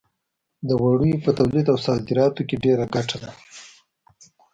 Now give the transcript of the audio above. د وړیو په تولید او صادراتو کې ډېره ګټه ده.